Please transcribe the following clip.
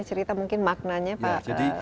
cerita mungkin maknanya pak